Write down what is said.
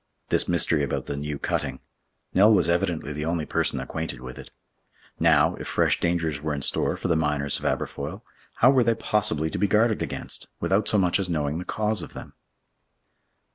This mystery about the new cutting—Nell was evidently the only person acquainted with it. Now, if fresh dangers were in store for the miners of Aberfoyle, how were they possibly to be guarded against, without so much as knowing the cause of them?